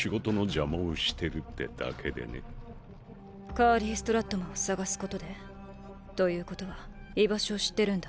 カーリー・ストラットマンを捜すことで？ということは居場所を知ってるんだ。